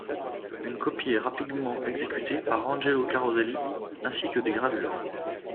Une copie est rapidement exécutée par Angelo Caroselli ainsi que des gravures.